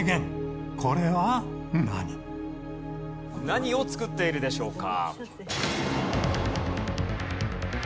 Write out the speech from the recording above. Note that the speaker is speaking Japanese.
何を作っているでしょうか？